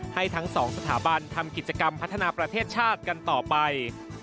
ให้ทั้งสองสถาบันทำกิจกรรมพัฒนาประเทศชาติกันต่อไป